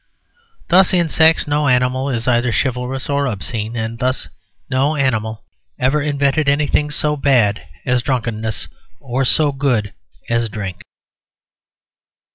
Thus, in sex no animal is either chivalrous or obscene. And thus no animal ever invented anything so bad as drunkenness or so good as drink.